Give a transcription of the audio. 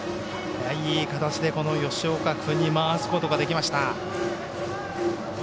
いい形で吉岡君に回すことができました。